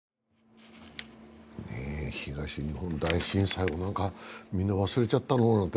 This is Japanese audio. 東日本大震災をみんな忘れちゃったの？なんて